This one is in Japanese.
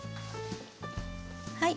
はい。